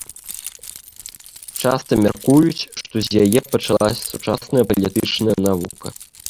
Часта мяркуюць, што з яе пачалася сучасная палітычная навука.